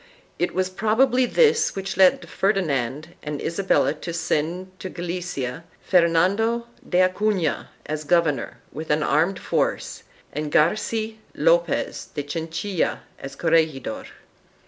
It was probably this which led Ferdinand and Isabella to send to Galicia Fernando de Acufia as governor with an armed force, and Garci Lopez de Chinchilla as corregidor.